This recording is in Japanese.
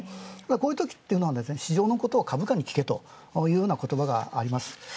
こういうときは、市場のことを株価に聞けというような言葉があります。